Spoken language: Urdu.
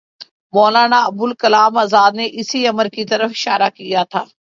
مولانا ابوالکلام آزاد نے اسی امر کی طرف اشارہ کیا تھا۔